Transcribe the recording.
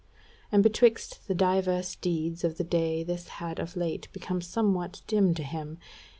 And betwixt the diverse deeds of the day this had of late become somewhat dim to him.